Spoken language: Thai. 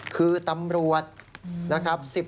คือตำรวจนะครับ